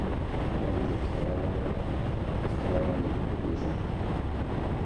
Em ji keran re stranan dibêjin.